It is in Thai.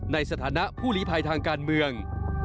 ในฐานะผู้หลีภัยทางการเมือง